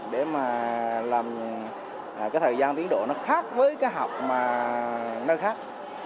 để mà làm cái thời gian tiến độ nó khác với cái học mà nơi khác